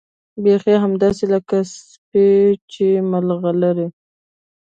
بيخي همداسې لکه سيپۍ چې ملغلره